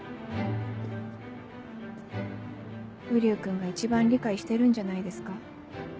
瓜生君が一番理解してるんじゃないですか？